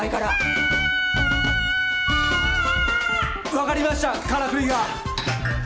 分かりましたからくりが！